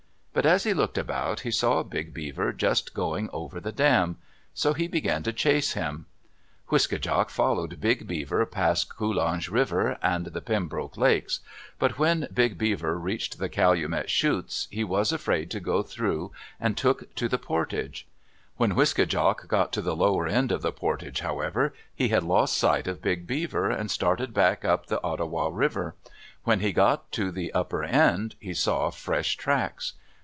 But as he looked about, he saw Big Beaver just going over the dam. So he began to chase him. Wiske djak followed Big Beaver past Coulonge River and the Pembroke Lakes. But when Big Beaver reached the Calumet Chutes, he was afraid to go through and took to the portage. When Wiske djak got to the lower end of the portage, however, he had lost sight of Big Beaver and started back up the Ottawa River. When he got to the upper end, he saw fresh tracks.